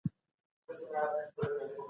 مسلکي کسانو ته باید د کار زمینه برابره سي.